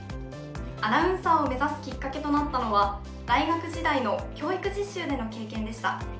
アナウンサーを目指すきっかけとなったのは大学時代の教育実習での経験でした。